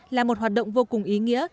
là một hoạt động vô cùng ý nghĩa